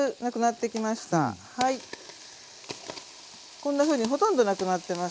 こんなふうにほとんどなくなってます。